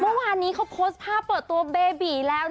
เมื่อวานนี้เขาโพสต์ภาพเปิดตัวเบบีแล้ว